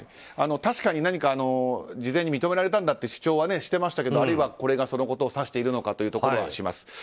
確かに、何か事前に認められたんだという主張はしていましたけれどもあるいは、これがそのことを指しているのかと思います。